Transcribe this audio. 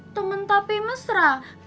temen tapi mesra